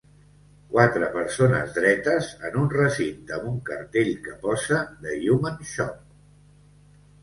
Quatre persones dretes en un recinte amb un cartell que posa "The Human Shop"